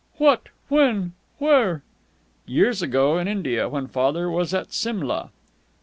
"What! When? Where?" "Years ago. In India, when father was at Simla."